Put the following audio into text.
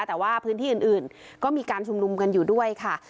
แต่ว่าพื้นที่อื่นก็มีการชุมนุมกันอยู่ด้วยค่ะ